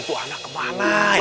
kelak kelak kelak